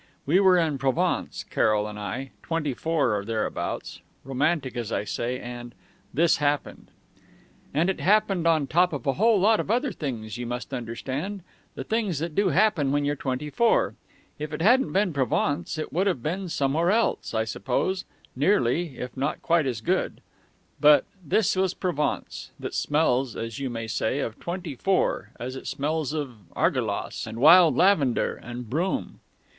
... We were in Provence, Carroll and I; twenty four or thereabouts; romantic, as I say; and and this happened. "And it happened on the top of a whole lot of other things, you must understand, the things that do happen when you're twenty four. If it hadn't been Provence, it would have been somewhere else, I suppose, nearly, if not quite as good; but this was Provence, that smells (as you might say) of twenty four as it smells of argelasse and wild lavender and broom....